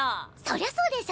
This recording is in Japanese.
そりゃそうでしょ。